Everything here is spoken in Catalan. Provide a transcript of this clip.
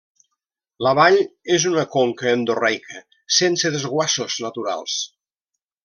La vall és una conca endorreica, sense desguassos naturals.